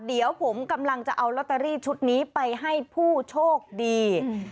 เดี๋ยวผมกำลังจะเอาลอตเตอรี่ชุดนี้ไปให้ผู้โชคดี